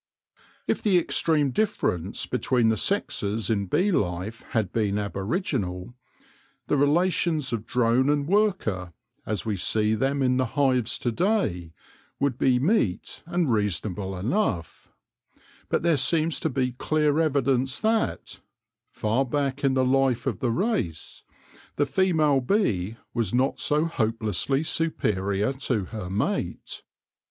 If the extreme difference between the sexes in bee life had been aboriginal, the relations of drone and worker, as we see them in the hives to day, would be meet and reasonable enough ; but there seems to be clear evidence that, far back in the life of the race, the female bee was not so hopelessly superior to her mate.